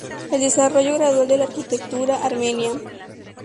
El desarrollo gradual de la arquitectura armenia.